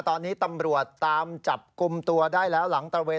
ตอนนี้ตำรวจตามจับกลุ่มตัวได้แล้วหลังตระเวน